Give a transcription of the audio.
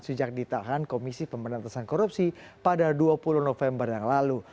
sejak ditahan komisi pemberantasan korupsi pada dua puluh november yang lalu